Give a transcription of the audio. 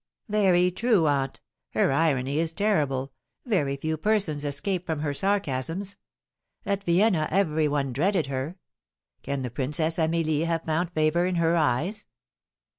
"Very true, aunt; her irony is terrible, very few persons escape from her sarcasms; at Vienna every one dreaded her. Can the Princess Amelie have found favour in her eyes?"